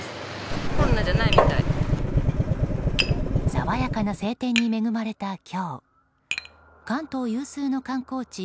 爽やかな晴天に恵まれた今日関東有数の観光地